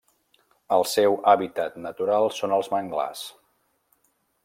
El seu hàbitat natural són els manglars.